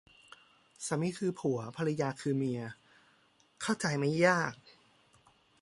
สามีคือผัว ภรรยาคือเมีย เข้าใจไม่ยาก